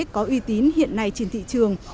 có uy tín hiện nay trên thị trường